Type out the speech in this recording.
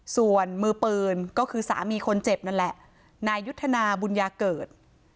ส่วนมือปืนก็คือสามีคนเจ็บนั่นแหละนายยุทธนาบุญญาเกิด